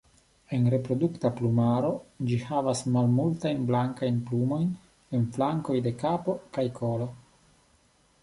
En reprodukta plumaro ĝi havas malmultajn blankajn plumojn en flankoj de kapo kaj kolo.